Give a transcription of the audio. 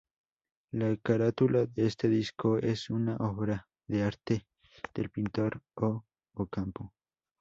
La carátula de este disco es una obra de arte del pintor O. Ocampo.